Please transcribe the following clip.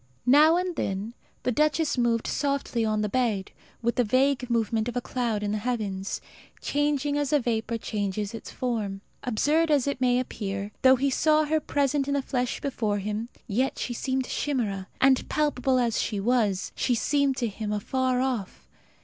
Now and then the duchess moved softly on the bed, with the vague movement of a cloud in the heavens, changing as a vapour changes its form. Absurd as it may appear, though he saw her present in the flesh before him, yet she seemed a chimera; and, palpable as she was, she seemed to him afar off.